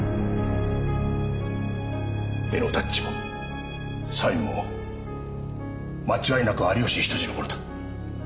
絵のタッチもサインも間違いなく有吉比登治のものだ。